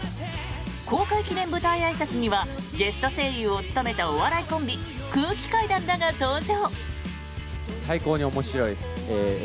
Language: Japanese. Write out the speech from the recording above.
公開記念舞台あいさつにはゲスト声優を務めたお笑いコンビ空気階段らが登場。